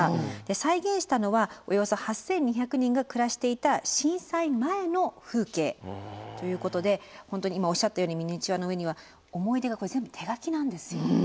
再現したのはおよそ８，２００人が暮らしていた震災前の風景ということで本当に今おっしゃったようにミニチュアの上には思い出がこれ全部手書きなんですよ。